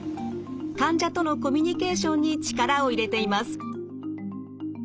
患者とのコミュニケーションに力を入れています。